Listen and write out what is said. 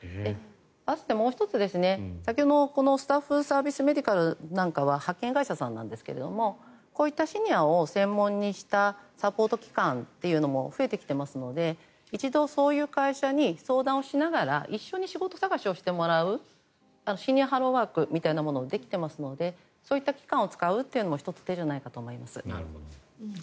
あともう１つ先ほどのスタッフサービス・メディカルなんかは派遣会社さんなんですがこういったシニアを専門にしたサポート機関というのも増えてきていますので一度、そういう会社に相談をしながら一緒に仕事探しをしてもらうシニアハローワークみたいなものもできていますのでそういった機関を使うのも１つ、手じゃないかと思います。